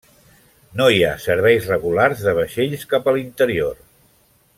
No hi ha serveis regulars de vaixells cap a l'interior.